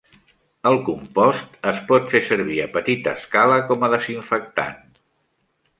El compost es pot fer servir a petita escala com a desinfectant.